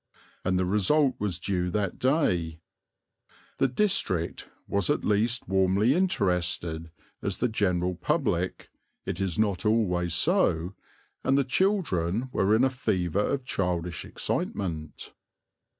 And the result was due that day. The district was at least warmly interested as the general public it is not always so and the children were in a fever of childish excitement.